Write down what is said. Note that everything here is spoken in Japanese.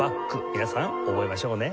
皆さん覚えましょうね。